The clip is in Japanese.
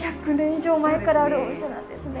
以上前からあるお店なんですね。